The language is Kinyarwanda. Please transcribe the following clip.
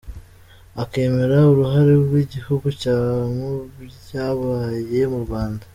Akemera uruhare rw’igihugu cye mu byabaye mu Rwanda.